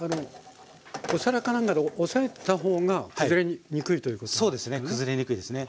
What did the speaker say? お皿か何かで押さえた方が崩れにくいということですよね？